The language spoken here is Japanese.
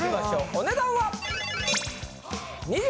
お値段は！